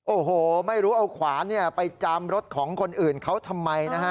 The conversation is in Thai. โอ้โหไม่รู้เอาขวานไปจามรถของคนอื่นเขาทำไมนะฮะ